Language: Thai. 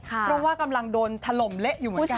เพราะว่ากำลังโดนถล่มเละอยู่เหมือนกัน